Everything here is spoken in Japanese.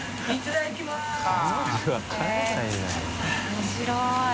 面白い。